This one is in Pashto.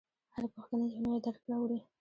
هره پوښتنه یو نوی درک راوړي.